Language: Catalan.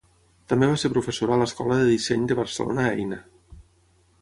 També va ser professora a l'Escola de disseny de Barcelona Eina.